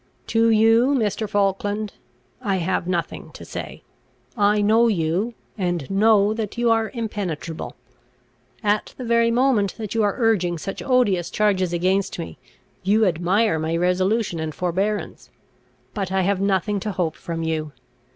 "To you, Mr. Falkland, I have nothing to say: I know you, and know that you are impenetrable. At the very moment that you are urging such odious charges against me, you admire my resolution and forbearance. But I have nothing to hope from you.